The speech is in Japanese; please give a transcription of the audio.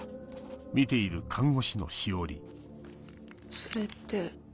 それって。